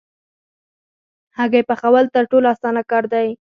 هګۍ پخول تر ټولو اسانه کار دی.